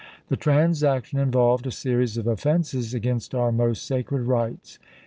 .. The transaction involved a series of offenses against our most sacred rights.